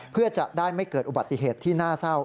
เพื่อจะได้ไม่เกิดอุบัติเหตุที่น่าเศร้า